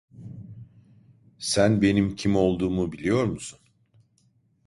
Sen benim kim olduğumu biliyor musun?